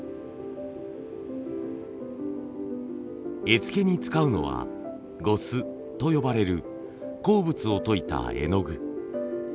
絵付けに使うのは呉須と呼ばれる鉱物を溶いた絵の具。